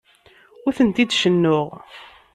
Ur tent-id-cennuɣ.